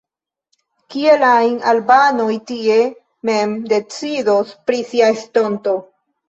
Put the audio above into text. Kiel ajn, albanoj tie mem decidos pri sia estonto.